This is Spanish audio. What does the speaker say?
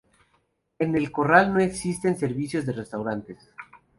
En El Corral no existen servicios de restaurantes.